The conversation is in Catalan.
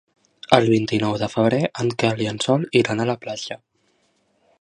El vint-i-nou de febrer en Quel i en Sol iran a la platja.